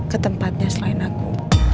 ketempatnya selain aku